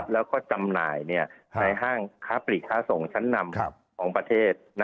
แล้วก็จำหน่ายในห้างค้าปลีกค้าส่งชั้นนำของประเทศ